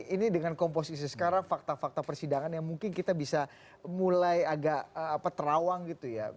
ini dengan komposisi sekarang fakta fakta persidangan yang mungkin kita bisa mulai agak terawang gitu ya